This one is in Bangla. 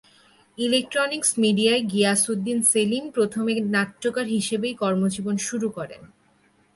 ইলেকট্রনিক্স মিডিয়ায় গিয়াস উদ্দিন সেলিম প্রথমে নাট্যকার হিসেবেই কর্মজীবন শুরু করেন।